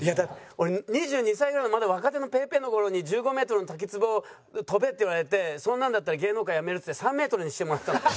俺２２歳ぐらいのまだ若手のぺーぺーの頃に１５メートルの滝つぼ飛べって言われてそんなんだったら芸能界辞めるっつって３メートルにしてもらったんだよ。